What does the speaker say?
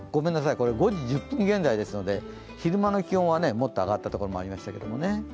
これ、５時１０分現在ですので、昼間の気温はもっと上がったところもありましたけどね。